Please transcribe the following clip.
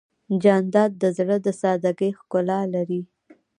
جانداد د زړه د سادګۍ ښکلا لري.